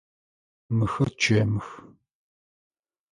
Мыхэр чэмых.